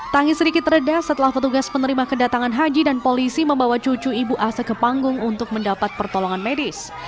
tangis sedikit reda setelah petugas penerima kedatangan haji dan polisi membawa cucu ibu ase ke panggung untuk mendapat pertolongan medis